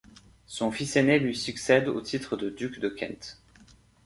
Son fils aîné lui succède au titre de duc de Kent.